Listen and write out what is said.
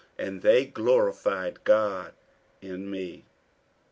48:001:024 And they glorified God in me.